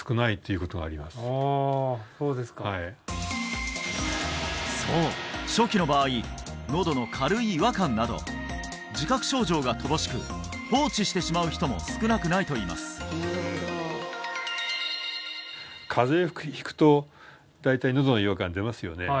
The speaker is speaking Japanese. そうですかはいそう初期の場合のどの軽い違和感など自覚症状が乏しく放置してしまう人も少なくないといいます風邪を引くと大体のどの違和感出ますよね？